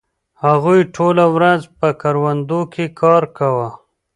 هغوی ټوله ورځ په کروندو کې کار کاوه.